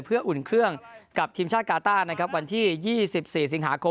เพื่ออุ่นเครื่องกับทีมชาติกาต้านะครับวันที่๒๔สิงหาคม